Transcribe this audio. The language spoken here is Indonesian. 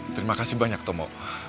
terima kasih banyak tomo